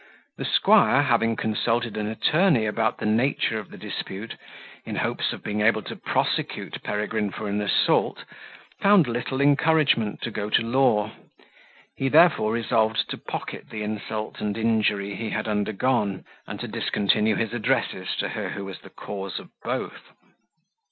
The squire, having consulted an attorney about the nature of the dispute, in hopes of being able to prosecute Peregrine for an assault, found little encouragement to go to law: he therefore resolved to pocket the insult and injury he had undergone, and to discontinue his addresses to her who was the cause of both.